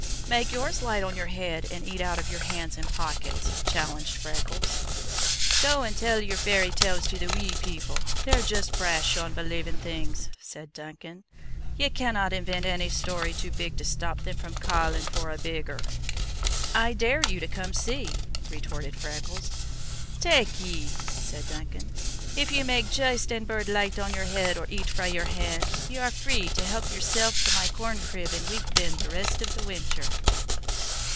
"Make yours light on your head and eat out of your hands and pockets," challenged Freckles. "Go and tell your fairy tales to the wee people! They're juist brash on believin' things," said Duncan. "Ye canna invent any story too big to stop them from callin' for a bigger." "I dare you to come see!" retorted Freckles. "Take ye!" said Duncan. "If ye make juist ane bird licht on your heid or eat frae your hand, ye are free to help yoursel' to my corn crib and wheat bin the rest of the winter."